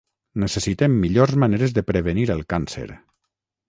Necessitem millors maneres de prevenir el càncer.